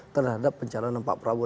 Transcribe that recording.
terhadap pencalonan pak prabowo